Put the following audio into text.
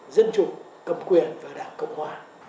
dân chủ cầm quyền và đảng cộng hòa